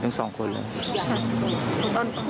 หลังจากผู้หญิงทั้ง๒คน